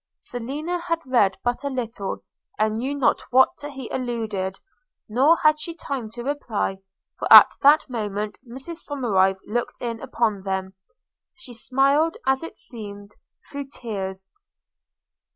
Selina had read but little, and knew not to what he alluded; nor had she time to reply, for at that moment Mrs Somerive looked in upon them; she smiled, as it seemed, through tears.